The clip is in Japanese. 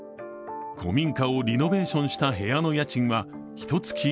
古民家をリノベーションした部屋の家賃はひと月